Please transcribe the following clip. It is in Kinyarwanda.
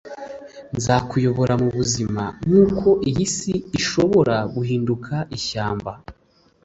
nzakuyobora mubuzima, nkuko iyi si ishobora guhinduka ishyamba